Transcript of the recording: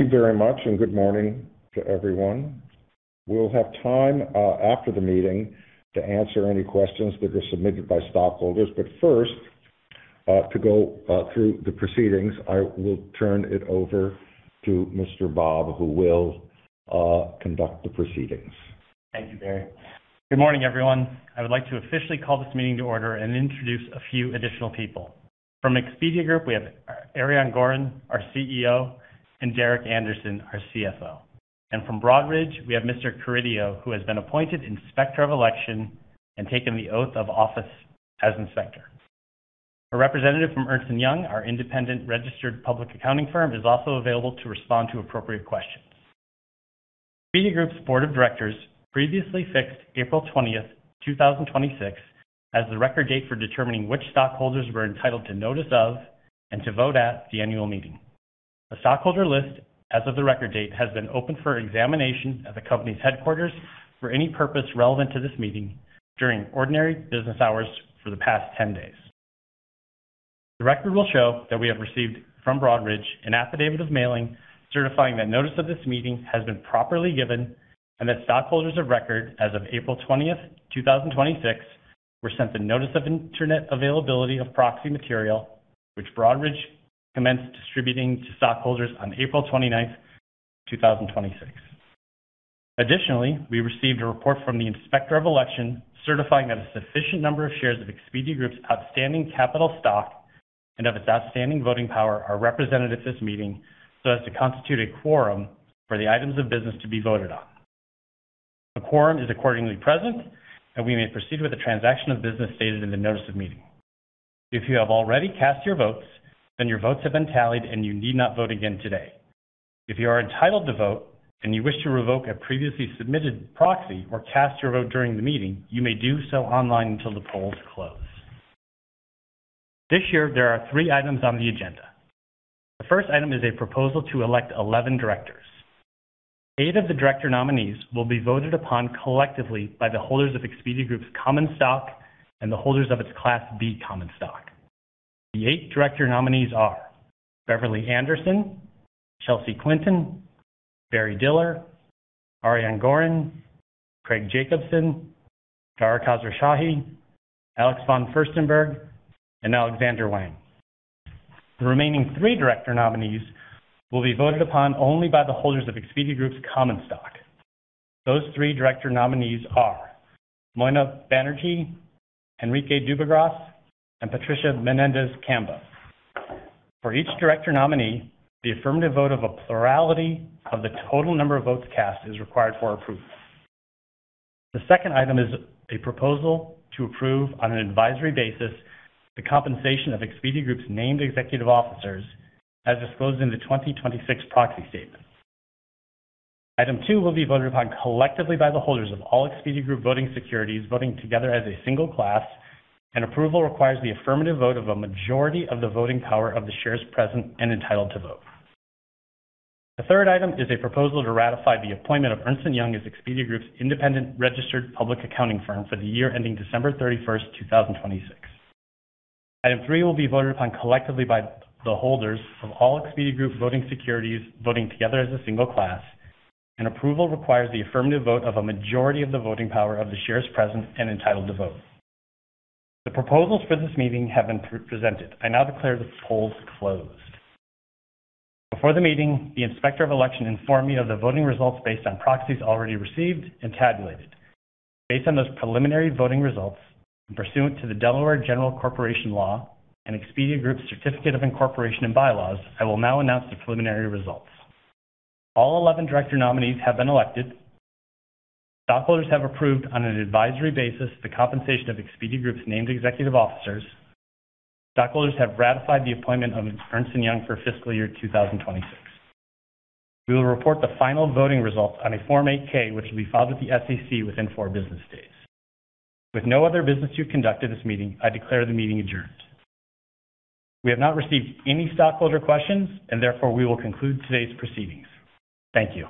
Thank you very much. Good morning to everyone. We'll have time after the meeting to answer any questions that are submitted by stockholders. First, to go through the proceedings, I will turn it over to Mr. Bob, who will conduct the proceedings. Thank you, Barry. Good morning, everyone. I would like to officially call this meeting to order and introduce a few additional people. From Expedia Group, we have Ariane Gorin, our CEO, and Derek Anderson, our CFO. From Broadridge, we have Mr. Cardillo, who has been appointed Inspector of Election and taken the oath of office as inspector. A representative from Ernst & Young, our independent registered public accounting firm, is also available to respond to appropriate questions. Expedia Group's board of directors previously fixed April 20, 2026, as the record date for determining which stockholders were entitled to notice of and to vote at the annual meeting. A stockholder list as of the record date has been open for examination at the company's headquarters for any purpose relevant to this meeting during ordinary business hours for the past 10 days. The record will show that we have received from Broadridge an affidavit of mailing certifying that notice of this meeting has been properly given and that stockholders of record as of April 20, 2026, were sent the notice of internet availability of proxy material, which Broadridge commenced distributing to stockholders on April 29, 2026. Additionally, we received a report from the Inspector of Elections certifying that a sufficient number of shares of Expedia Group's outstanding capital stock and its outstanding voting power are represented at this meeting to constitute a quorum for the items of business to be voted on. A quorum is accordingly present. We may proceed with the transaction of business stated in the notice of meeting. If you have already cast your votes, then your votes have been tallied. You need not vote again today. If you are entitled to vote and you wish to revoke a previously submitted proxy or cast your vote during the meeting, you may do so online until the polls close. This year, there are three items on the agenda. The first item is a proposal to elect 11 directors. Eight of the director nominees will be voted upon collectively by the holders of Expedia Group's common stock and the holders of its Class B common stock. The eight director nominees are Beverly Anderson, Chelsea Clinton, Barry Diller, Ariane Gorin, Craig Jacobson, Dara Khosrowshahi, Alex von Furstenberg, and Alexander Wang. The remaining three director nominees will be voted upon only by the holders of Expedia Group's common stock. Those three director nominees are Moina Banerjee, Henrique Dubugras, and Patricia Menendez Cambo. For each director nominee, the affirmative vote of a plurality of the total number of votes cast is required for approval. The second item is a proposal to approve, on an advisory basis, the compensation of Expedia Group's named executive officers as disclosed in the 2026 proxy statement. Item two will be voted upon collectively by the holders of all Expedia Group voting securities voting together as a single class, and approval requires the affirmative vote of a majority of the voting power of the shares present and entitled to vote. The third item is a proposal to ratify the appointment of Ernst & Young as Expedia Group's independent registered public accounting firm for the year ending December 31st, 2026. Item three will be voted upon collectively by the holders of all Expedia Group voting securities voting together as a single class, and approval requires the affirmative vote of a majority of the voting power of the shares present and entitled to vote. The proposals for this meeting have been presented. I now declare the polls closed. Before the meeting, the Inspector of Elections informed me of the voting results based on proxies already received and tabulated. Based on those preliminary voting results and pursuant to the Delaware General Corporation Law and Expedia Group's Certificate of Incorporation and Bylaws, I will now announce the preliminary results. All 11 director nominees have been elected. Stockholders have approved on an advisory basis the compensation of Expedia Group's named executive officers. Stockholders have ratified the appointment of Ernst & Young for fiscal year 2026. We will report the final voting results on a Form 8-K, which will be filed with the SEC within four business days. With no other business to conduct at this meeting, I declare the meeting adjourned. We have not received any stockholder questions and therefore, we will conclude today's proceedings. Thank you.